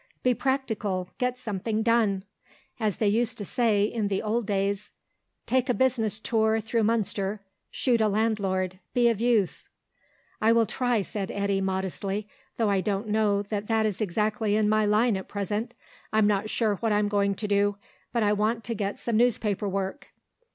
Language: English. Be practical; get something done. As they used to say in the old days: 'Take a business tour through Munster, Shoot a landlord; be of use.' " "I will try," said Eddy, modestly. "Though I don't know that that is exactly in my line at present ... I'm not sure what I'm going to do, but I want to get some newspaper work."